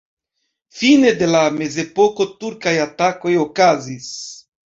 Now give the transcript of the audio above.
Fine de la mezepoko turkaj atakoj okazis.